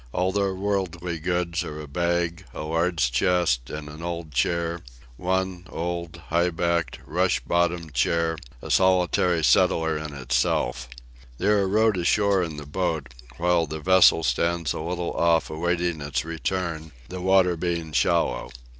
All their worldly goods are a bag, a large chest and an old chair: one, old, high backed, rush bottomed chair: a solitary settler in itself. They are rowed ashore in the boat, while the vessel stands a little off awaiting its return, the water being shallow.